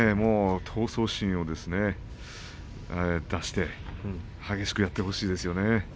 闘争心を出して激しくやってほしいですよね。